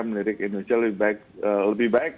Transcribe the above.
melirik indonesia lebih baik